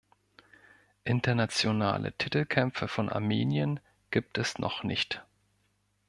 Internationale Titelkämpfe von Armenien gibt es noch nicht.